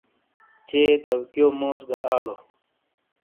چے داویکیو موز گہ آلو۔